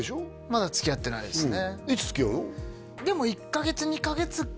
まだつきあってないですね